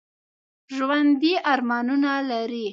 ژوندي ارمانونه لري